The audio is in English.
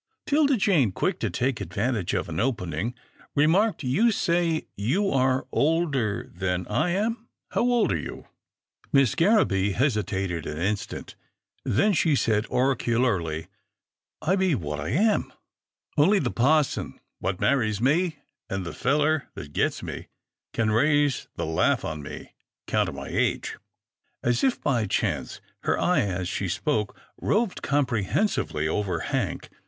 'Tilda Jane, quick to take advantage of an opening, remarked, " You say you are older than I am. How old are you ?" Miss Garraby hesitated an instant, then she said oracularly, " I be what I am, an' only the passon what marries me, an' the feller that gits me, can raise the laugh on me, 'count of my age." As if by chance, her eye, as she spoke, roved comprehensively over Hank.